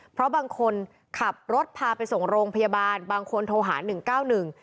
เพราะบางคนขับรถพาไปส่งโรงพยาบาลบางคนโทรหาหนึ่งเก้าหนึ่ง